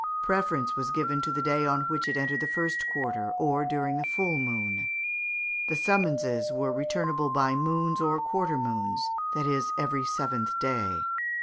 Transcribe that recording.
Preference was given to the day on which it entered the first quarter, or during the full moon; the summonses were returnable by moons or quarter moons that is, every seventh day.